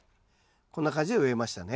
こんな感じで植えましたね。